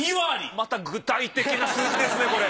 また具体的な数字ですねこれ。